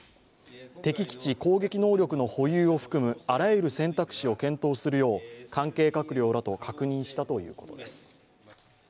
敵基地攻撃能力の保有を含むあらゆる選択肢を検討するよう関係閣僚らと確認したということです。